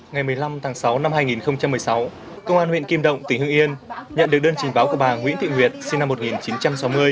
ngày một mươi năm tháng sáu năm hai nghìn một mươi sáu công an huyện kim động tỉnh hưng yên nhận được đơn trình báo của bà nguyễn thị nguyệt sinh năm một nghìn chín trăm sáu mươi